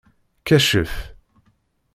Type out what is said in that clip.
Kacef.